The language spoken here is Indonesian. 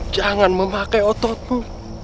jangan memakai ototmu